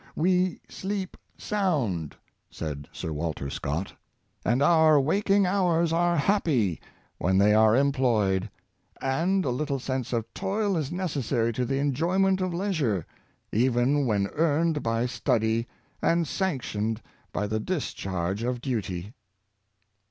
" We sleep sound," said Sir Walter Scott, " and our waking hours are happy, when they are employed; and a little sense of toil is necessary to the enjoyment of leisure, even when earned by study and sanctioned by the dis charge of duty."